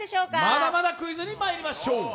まだまだクイズにまいりましょう。